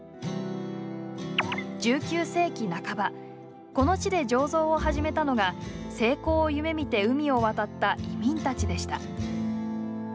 １９世紀半ばこの地で醸造を始めたのが成功を夢みて海を渡った移民たちでした。